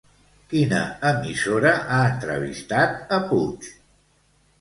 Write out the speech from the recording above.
Quina emissora ha entrevistat a Puig?